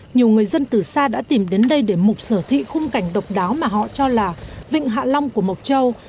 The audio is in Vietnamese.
nhiều người dân từ xa đã tìm đến đây để mục sở thị khung cảnh độc đáo mà họ cho là vịnh hạ long của mộc châu